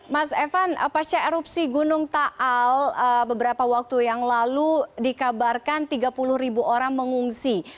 mas evan pasca erupsi gunung taal beberapa waktu yang lalu dikabarkan tiga puluh ribu orang mengungsi